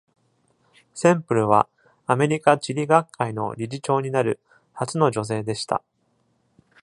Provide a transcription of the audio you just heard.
センプルは、アメリカ地理学会の理事長になる初の女性でした。